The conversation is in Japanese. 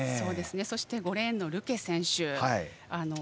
そして５レーンのルケ選手。